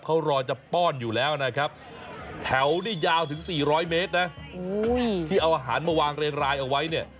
เขารอจะป้อนอยู่แล้วนะครับแถวนี่ยาวถึง๔๐๐เมตรนะที่เอาอาหารมาวางเรียงรายเอาไว้เนี่ย